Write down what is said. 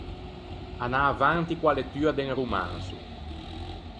Anâ avanti co-a lettua de un romanso.